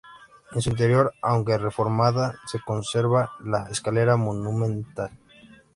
En su interior, aunque reformada, se conserva la escalera monumental.